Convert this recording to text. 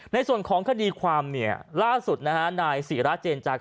ในส่วนของคดีความเนี่ยล่าสุดนะฮะนายศิราเจนจาก